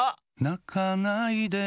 「なかないで」